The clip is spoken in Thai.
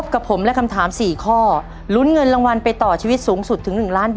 กับคำถามเรื่องนี้ครับ